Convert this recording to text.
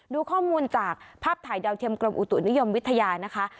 ดูข้อมูลจากภาพถ่ายดาวเทียมกรมอุตุนิยมวิทยานะคะ